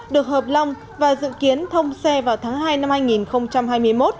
được hợp lòng và dự kiến thông xe vào tháng hai năm hai nghìn hai mươi một